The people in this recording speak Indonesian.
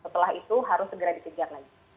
setelah itu harus segera dikejar lagi